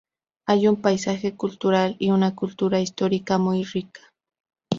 Hay un paisaje cultural y una cultura histórica muy rica.